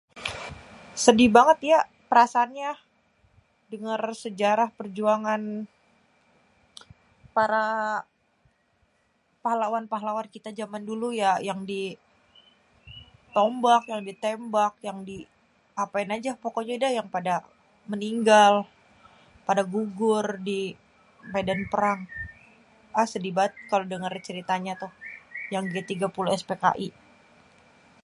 Sedih banget ya perasaannya. Denger sejarah perjuangan pahlawan-pahlawan kita jaman dulu ya, yang ditombak, yang ditembak, yang diapain aja dah pokoknya, yang meninggal pada gugur di medan perang. Ah sedih banget kalo denger ceritanya tuh yang G30S PKI.